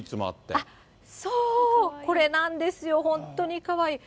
あっ、そう、これなんですよ、本当にかわいい。